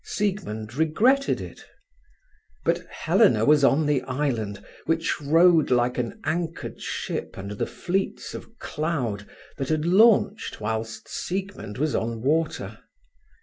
Siegmund regretted it. But Helena was on the island, which rode like an anchored ship under the fleets of cloud that had launched whilst Siegmund was on water.